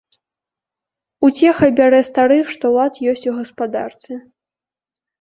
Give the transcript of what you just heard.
Уцеха бярэ старых, што лад ёсць у гаспадарцы.